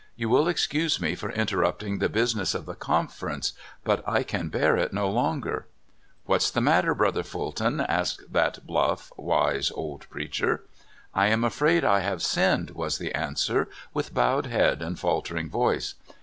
You will excuse me for interrupting the business of the Con ference, but I can bear it no longer." "What's the matter, Brother Fulton?" asked that bluff, wise old preacher. "I am afraid I have sinned," was the answer, with bowed head and faltering voice.